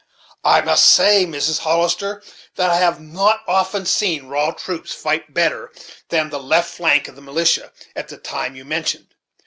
"I must say, Mrs. Hollister, that I have not often seen raw troops fight better than the left flank of the militia, at the time you mention.